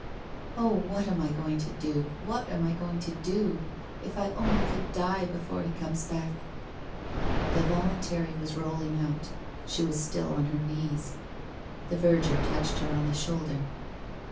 ' Oh, what am I going to do — what am I going to do ? If I only could die before he comes back !' The voluntary was rolling out. She was still on her knees. The verger touched her on the shoulder.